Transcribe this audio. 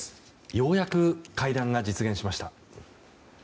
ようやく会談が実現しました。